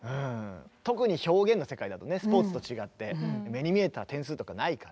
特に表現の世界だとねスポーツと違って目に見えた点数とかないから。